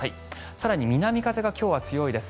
更に南風が今日は強いです。